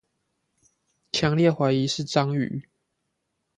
強烈懷疑是章魚